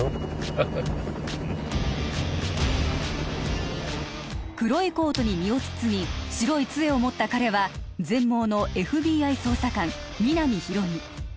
ハッハッハ黒いコートに身を包み白い杖を持った彼は全盲のＦＢＩ捜査官皆実広見